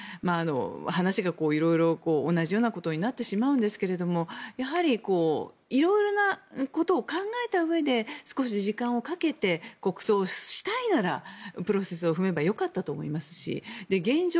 話がいろいろ同じようなことになってしまうんですけどやはりいろいろなことを考えたうえで少し時間をかけて国葬をしたいならプロセスを踏めば良かったと思いますし現状